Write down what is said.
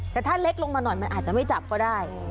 แต่ถ้าเล็กลงมาหน่อยมันอาจจะไม่จับก็ได้